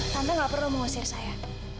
tante gak perlu mengusir saya